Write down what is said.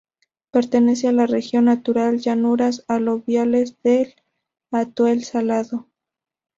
Pertenece a la región natural: llanuras aluviales del Atuel-Salado.